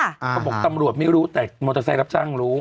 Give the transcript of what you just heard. เขาบอกตำรวจไม่รู้แต่มอเตอร์ไซค์รับจ้างรู้